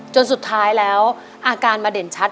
จนสุดท้ายแล้วอาการมาเด่นชัด